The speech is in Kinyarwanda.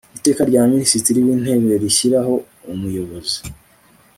iteka rya minisitiri w intebe rishyiraho umuyobozi